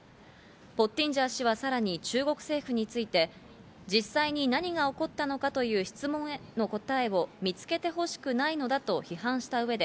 ポッティンジャー氏はさらに中国政府について実際に何が起こったのかという質問への答えを見つけてほしくないのだと批判した上で、